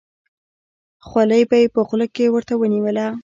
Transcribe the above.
خولۍ به یې په خوله کې ورته ونیوله.